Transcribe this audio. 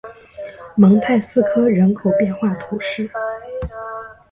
蒙泰斯科人口变化图示